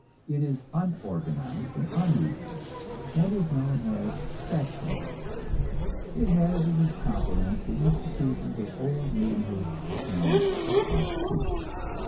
It is unorganized and unreasoned, and is known as "bachelorhood"; it has as its complements the institutions of old maidenhood and of prostitution.